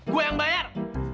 gua yang bayar